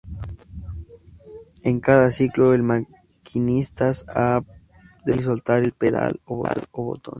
En cada ciclo, el maquinistas ha de pulsar y soltar el pedal o botón.